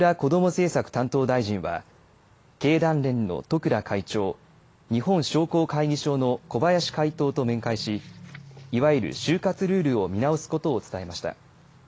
政策担当大臣は経団連の十倉会長日本商工会議所の小林会頭と面会しいわゆる就活ルールを見直すことを伝えました。